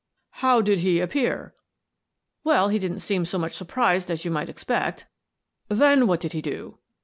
" How did he appear?" " Well, he didn't seem so much surprised as you might expect." "Then what did he do?"